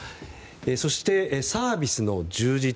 そしてサービスの充実。